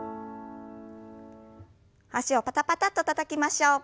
脚をパタパタッとたたきましょう。